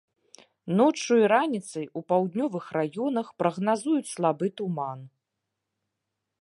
Ноччу і раніцай у паўднёвых раёнах прагназуюць слабы туман.